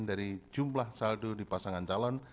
dari jumlah saldo di pasangan calon